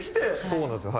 そうなんですよ。